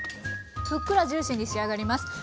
ふっくらジューシーに仕上がります。